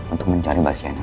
untuk mencari mbak sienna